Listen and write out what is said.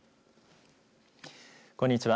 こんにちは。